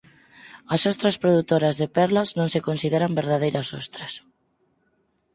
As ostras produtoras de perlas non se consideran verdadeiras ostras.